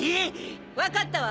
分かったわ。